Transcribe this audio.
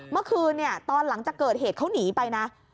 เมื่อคืนเนี่ยตอนหลังจากเกิดเหตุเขาหนีไปนะ